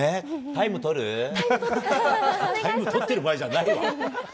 タイム取ってる場合じゃないわ。